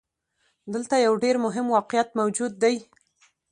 دلته يو ډېر مهم واقعيت موجود دی.